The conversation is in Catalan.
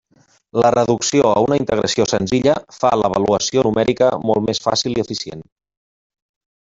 La reducció a una integració senzilla fa l'avaluació numèrica molt més fàcil i eficient.